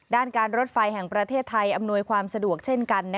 ด้านการรถไฟแห่งประเทศไทยอำนวยความสะดวกเช่นกัน